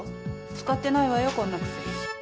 使ってないわよこんな薬。